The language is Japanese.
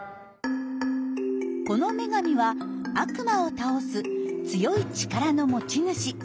この女神は悪魔を倒す強い力の持ち主。